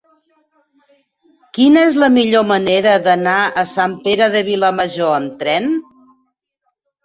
Quina és la millor manera d'anar a Sant Pere de Vilamajor amb tren?